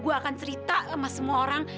gue akan cerita sama semua orang